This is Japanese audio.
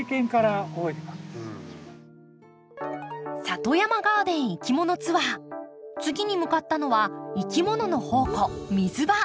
里山ガーデンいきものツアー次に向かったのはいきものの宝庫水場。